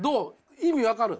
意味分かる？